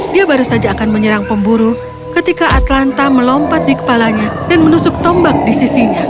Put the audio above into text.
dia baru saja akan menyerang pemburu ketika atlanta melompat di kepalanya dan menusuk tombak di sisinya